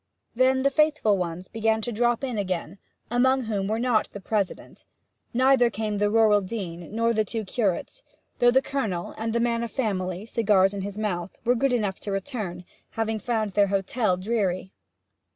Then the faithful ones began to drop in again among whom were not the President; neither came the rural dean, nor the two curates, though the Colonel, and the man of family, cigars in mouth, were good enough to return, having found their hotel dreary.